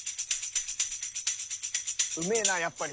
うめえなやっぱり。